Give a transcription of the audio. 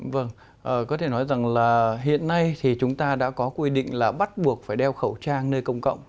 vâng có thể nói rằng là hiện nay thì chúng ta đã có quy định là bắt buộc phải đeo khẩu trang nơi công cộng